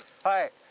はい。